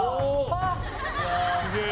すげえ！